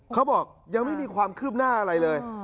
เขาบอกยังไม่มีความคืบหน้าอะไรเลย